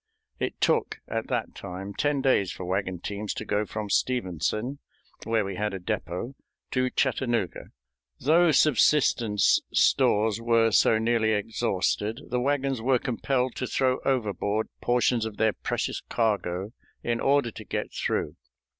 It took at that time ten days for wagon teams to go from Stevenson, where we had a depot, to Chattanooga. Though subsistence stores were so nearly exhausted, the wagons were compelled to throw overboard portions of their precious cargo in order to get through.